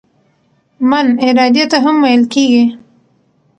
"من" ارادې ته هم ویل کیږي.